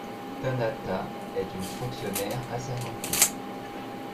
Tanatha est une fonctionnaire assermentée.